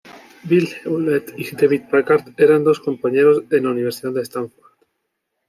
Bill Hewlett y David Packard eran dos compañeros en la universidad de Stanford.